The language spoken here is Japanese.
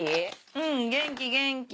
うん元気元気。